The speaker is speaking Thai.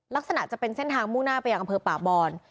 ลักษณะจะเป็นเส้นทางมุ่งหน้าไปยังอำเภอป่าบอน